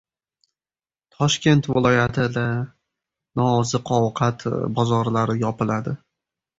Toshkent viloyatida nooziq-ovqat bozorlari yopiladi